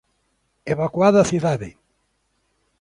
Evacuade a cidade.